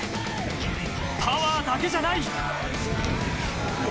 パワーだけじゃない！